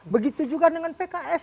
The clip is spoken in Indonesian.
begitu juga dengan pks